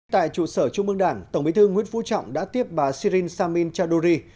tại chủ sở trung mương đảng tổng bí thư nguyễn phú trọng đã tiếp bà sirin samin chaudhuri